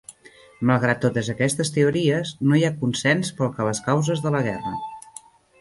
Malgrat totes aquestes teories, no hi ha consens pel que a les causes de la guerra.